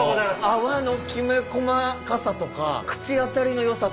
泡のきめ細かさとか口当たりの良さとか。